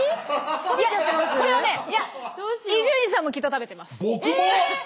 これはねいや伊集院さんもきっと食べてます。